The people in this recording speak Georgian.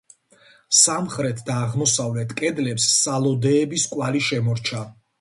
სამხრეთ და აღმოსავლეთ კედლებს სალოდეების კვალი შემორჩა.